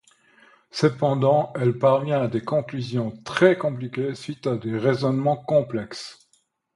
Cependant, elle parvient à des conclusions très compliquées, suite à des raisonnements complexes.